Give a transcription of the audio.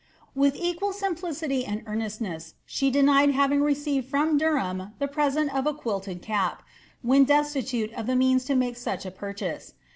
"^ With equal simplicity and earnestness, she denied having received from Derham the present o( a quilted cap, when destitute of the means to make such a purchase.